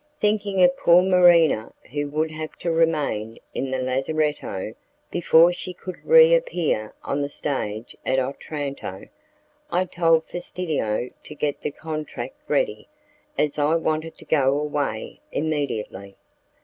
Thinking of poor Marina who would have to remain in the lazaretto before she could reappear on the stage at Otranto, I told Fastidio to get the contract ready, as I wanted to go away immediately.